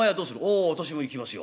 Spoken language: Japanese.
「ああ私も行きますよ」。